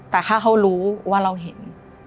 แต่ถ้าเขารู้ว่าเราเห็น